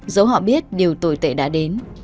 dẫu họ biết điều tồi tệ đã đến